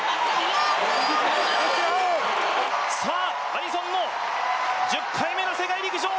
アリソンの１０回目の世界陸上。